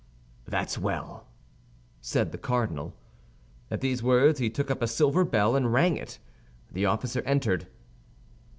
"That's well," said the cardinal. At these words he took up a silver bell, and rang it; the officer entered.